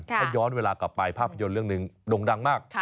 ถ้าย้อนเวลากลับไปภาพยนตร์เรื่องหนึ่งด่งดังมาก